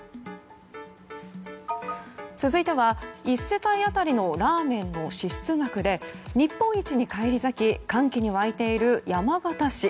続いては、１世帯当たりのラーメンの支出額で日本一に返り咲き歓喜に沸いている山県市。